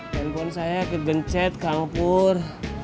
telepon saya kegencet kang pur